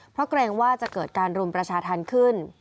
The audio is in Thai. เพราะเกรงว่าจะเกิดการรุมประชาธรรมขึ้น